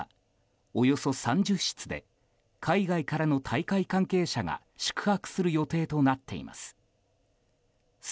およそ３０室で海外からの大会関係者が宿泊する予定となっています。